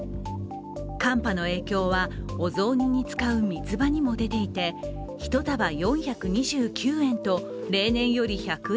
寒波の影響は、お雑煮に使うミツバにも出ていて１束４２９円と例年より１００円